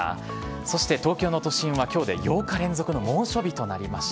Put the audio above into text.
そして東京の都心はきょうで８日連続の猛暑日となりました。